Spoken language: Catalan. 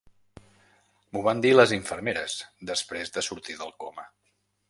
M'ho van dir les infermeres després de sortir del coma.